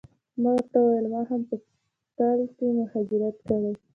ما ورته وویل ما هم په ټل کې مهاجرت کړی.